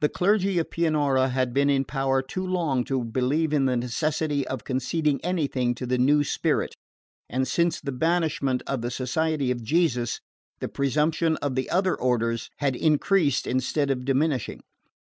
The clergy of Pianura had been in power too long to believe in the necessity of conceding anything to the new spirit; and since the banishment of the Society of Jesus the presumption of the other orders had increased instead of diminishing.